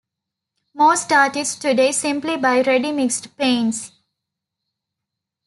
Most artists today simply buy ready-mixed paints.